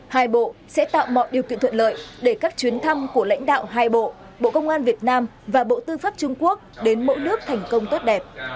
hai bộ sẽ tạo mọi điều kiện thuận lợi để các chuyến thăm của lãnh đạo hai bộ bộ công an việt nam và bộ tư pháp trung quốc đến mỗi nước thành công tốt đẹp